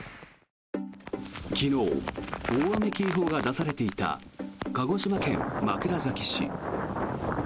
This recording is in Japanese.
昨日、大雨警報が出されていた鹿児島県枕崎市。